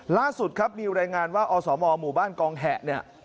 ล่าสุดครับมีรายงานว่าอสมหมู่บ้านกองแหะเนี่ย